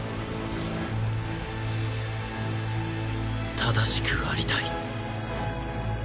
正しくありたい